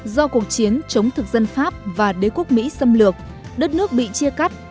do cuộc chiến chống thực dân pháp và đế quốc mỹ xâm lược đất nước bị chia cắt